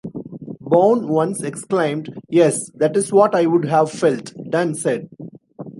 Bourne once exclaimed: Yes, that is what I would have felt, done, said!